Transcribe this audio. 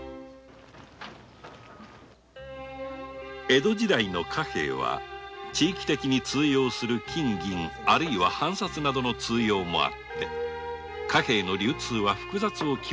江戸時代の貨幣は地域的に通用する金銀あるいは藩札などの通用もあって貨幣の流通は複雑をきわめていた。